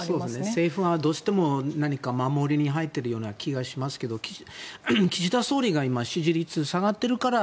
政府がどうしても、何か守りに入っているような気がしますけど岸田総理が支持率が下がっているから。